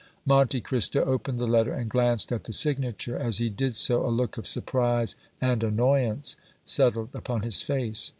Monte Cristo opened the letter and glanced at the signature; as he did so a look of surprise and annoyance settled upon his face.